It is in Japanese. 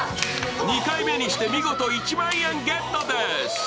２回目にして見事１万円ゲットです。